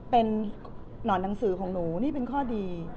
เป็นหนอนหนังสือของหนูนี่เป็นข้อดี